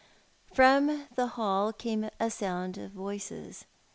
From the hall came a sound of voices.